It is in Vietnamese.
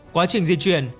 quá trình di chuyển